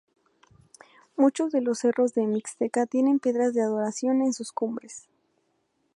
Muchos de los cerros de la mixteca tiene piedras de adoración en sus cumbres.